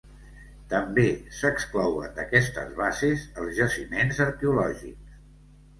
També s'exclouen d'aquestes bases els jaciments arqueològics.